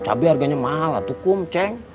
cabai harganya mahal atu kum ceng